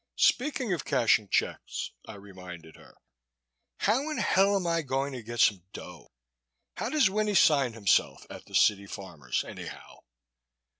"Speaking of cashing checks," I reminded her, "how in hell am I going to get some dough? How does Winnie sign himself at the City Farmers anyhow?"